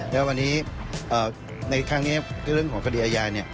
แล้ววันนี้ในครั้งนี้เรื่องของคดีอาญา